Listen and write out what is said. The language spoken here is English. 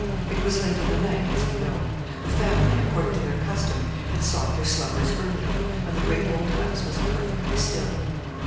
It was late in the night, as we know. The family, according to their custom, had sought their slumbers early; and the great old house was perfectly still.